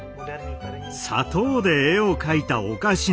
「砂糖で絵を描いたお菓子なんて！」